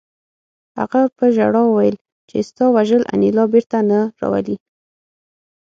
هغه په ژړا وویل چې ستا وژل انیلا بېرته نه راولي